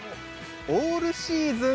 オールシーズン